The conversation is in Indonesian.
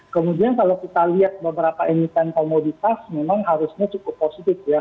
kemudian kalau kita lihat beberapa emiten komoditas memang harusnya cukup positif ya